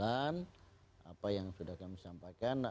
apa yang sudah kami sampaikan